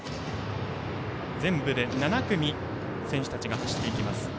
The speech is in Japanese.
全部で７組選手たちが走っていきます。